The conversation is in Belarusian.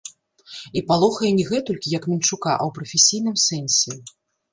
І палохае не гэтулькі, як мінчука, а ў прафесійным сэнсе.